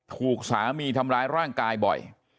ถูกสามีทำร้ายร่างกายบ่อย